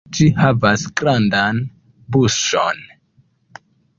Ĝi havas grandan buŝon.